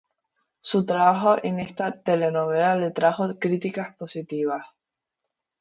Su trabajo en esta telenovela le trajo críticas positivas.